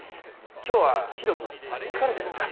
今日はひどく疲れてるんだ。